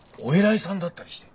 いさんだったりして。